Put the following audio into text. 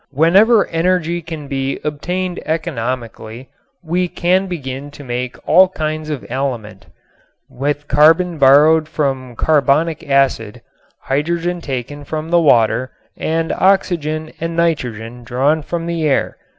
Whenever energy can be obtained economically we can begin to make all kinds of aliment, with carbon borrowed from carbonic acid, hydrogen taken from the water and oxygen and nitrogen drawn from the air....